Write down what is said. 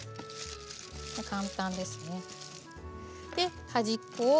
簡単ですね。